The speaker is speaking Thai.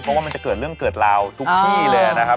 เพราะว่ามันจะเกิดเรื่องเกิดราวทุกที่เลยนะครับ